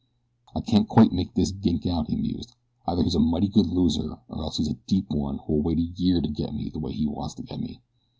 "I can't quite make that gink out," he mused. "Either he's a mighty good loser or else he's a deep one who'll wait a year to get me the way he wants to get me."